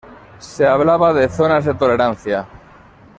Se hablaba de zonas de tolerancia.